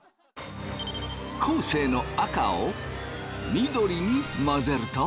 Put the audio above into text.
生の赤を緑に混ぜると。